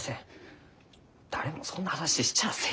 誰もそんな話しちゃあせん。